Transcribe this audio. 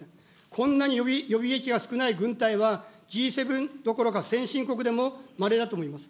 こんなに予備役が少ない軍隊はＧ７どころか先進国でもまれだと思います。